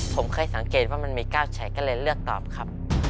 ผมเคยสังเกตว่ามันมี๙ชัยก็เลยเลือกตอบครับ